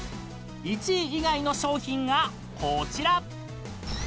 ［１位以外の商品がこちら］